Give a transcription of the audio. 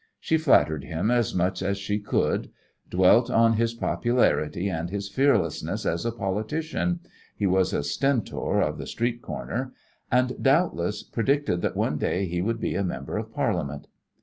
She flattered him as much as she could; dwelt on his popularity and his fearlessness as a politician he was a stentor of the street corner and, doubtless, predicted that one day he would be a Member of Parliament.